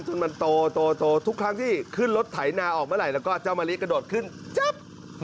จนมันโตทุกครั้งที่ขึ้นรถไถนาออกเมื่อไหร่แล้วก็เจ้ามะลิกระโดดขึ้นจับ